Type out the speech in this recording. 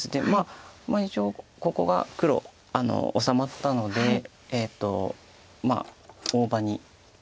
一応ここが黒治まったので大場に。